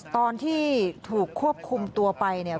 ตอนที่ถูกควบคุมตัวไปเนี่ย